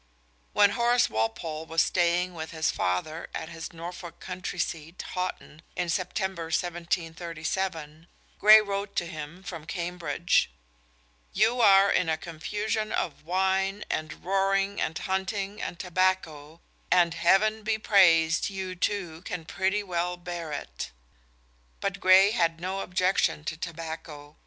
When Horace Walpole was staying with his father at his Norfolk country seat, Houghton, in September 1737, Gray wrote to him from Cambridge: "You are in a confusion of wine, and roaring, and hunting, and tobacco, and, heaven be praised, you too can pretty well bear it." But Gray had no objection to tobacco.